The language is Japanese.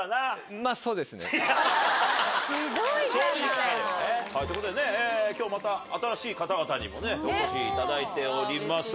ひどいじゃない！ということで今日また新しい方々にもお越しいただいております。